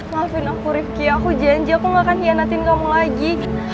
maafin aku rifki aku janji aku gak akan hianatin kamu lagi